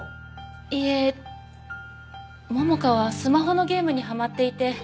いえ桃香はスマホのゲームにハマっていて。